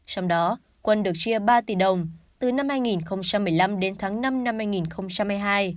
trong đó quân được chia ba tỷ đồng từ năm hai nghìn một mươi năm đến tháng năm năm hai nghìn hai mươi hai